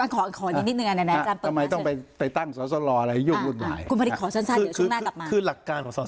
ขออีกนิดนึงอันนั้นทำไมต้องไปตั้งสสลอะไรให้ยุ่งหลุดหลาย